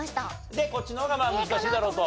でこっちの方が難しいだろうと？